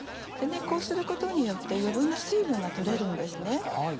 こうすることによって余分な水分が取れるんですね。